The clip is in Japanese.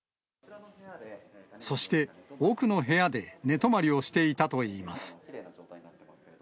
そして、奥の部屋で寝泊まりをしていたといいます。